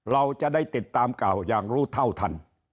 เราจะได้ติดตามเก่าอย่างรู้เท่าทัน